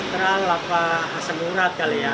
kestral apa hasil murad kali ya